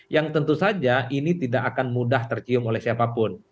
yang tentu saja ini tidak akan mudah tercium oleh siapapun